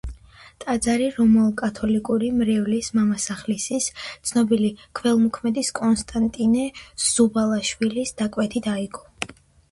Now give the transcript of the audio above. ტაძარი რომაულ-კათოლიკური მრევლის მამასახლისის, ცნობილი ქველმოქმედის კონსტანტინე ზუბალაშვილის დაკვეთით აიგო.